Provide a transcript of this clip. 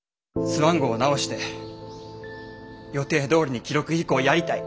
スワン号を直して予定どおりに記録飛行やりたい。